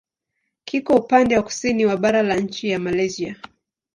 Kiko upande wa kusini wa bara la nchi ya Malaysia.